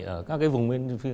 ở các cái vùng bên phía